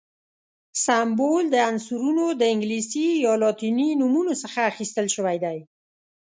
سمبول د عنصرونو د انګلیسي یا لاتیني نومونو څخه اخیستل شوی دی.